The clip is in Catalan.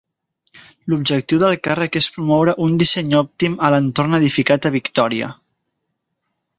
L'objectiu del càrrec és promoure un disseny òptim a l'entorn edificat a Victòria.